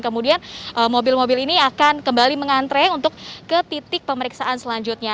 kemudian mobil mobil ini akan kembali mengantre untuk ke titik pemeriksaan selanjutnya